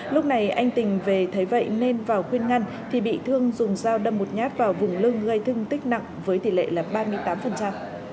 lúc này anh tình về thấy vậy nên vào quyên ngăn thì bị thương dùng dao đâm một nhát vào vùng lưng gây thương tích nặng với tỷ lệ là ba mươi tám